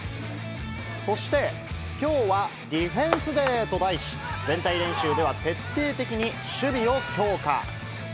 そして、きょうはディフェンスデーと題し、全体練習では徹底的に守備を強化。